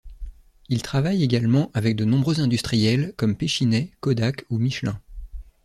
Il travaille également avec de nombreux industriels comme Péchiney, Kodak ou Michelin.